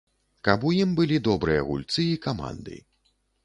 Каб у ім былі добрыя гульцы і каманды.